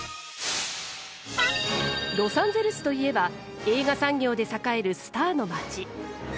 ロサンゼルスといえば映画産業で栄えるスターの町。